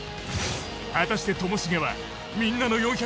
果たしてともしげはみんなの全貌は